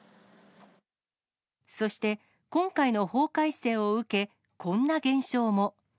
そして今回の法改正を受け、こんな現象も。